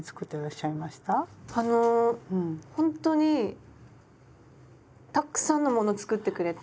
あのほんとにたっくさんのもの作ってくれて。